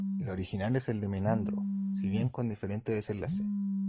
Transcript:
El original es de Menandro, si bien con diferente desenlace.